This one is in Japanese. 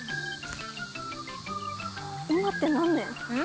今って何年？え？